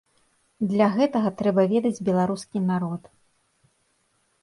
Для гэтага трэба ведаць беларускі народ.